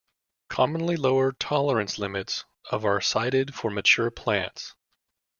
Commonly lower tolerance limits of are cited for mature plants.